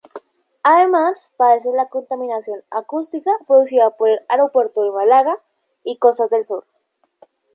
Además, padece la contaminación acústica producida por el Aeropuerto de Málaga-Costa del Sol.